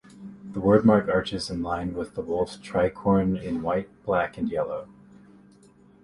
The wordmark arches in line with the wolf's tricorne in white, black, and yellow.